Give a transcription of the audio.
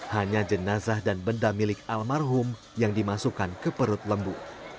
hanya jenazah dan benda milik almarhum yang dimasukkan ke perut lembu